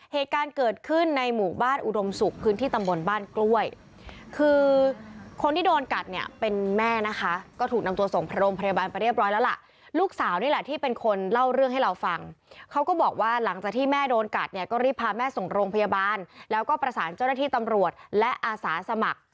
เหตุการณ์เกิดขึ้นในหมู่บ้านอุดมศุกร์พื้นที่ตำบลบ้านกล้วยคือคนที่โดนกัดเนี่ยเป็นแม่นะคะก็ถูกนำตัวส่งโรงพยาบาลไปเรียบร้อยแล้วล่ะลูกสาวนี่แหละที่เป็นคนเล่าเรื่องให้เราฟังเขาก็บอกว่าหลังจากที่แม่โดนกัดเนี่ยก็รีบพาแม่ส่งโรงพยาบาลแล้วก็ประสานเจ้าหน้าที่ตำรวจและอาสาสมัคร